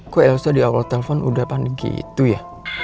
kok elsa di awal telpon udah panik gitu ya